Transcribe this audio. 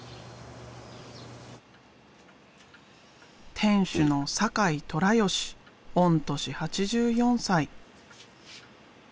店主の酒井寅義御年８４歳。